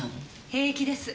平気です。